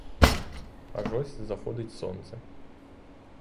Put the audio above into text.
Аж ось заходить сонце.